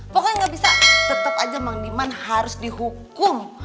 pokoknya gak bisa tetep aja mang diman harus dihukum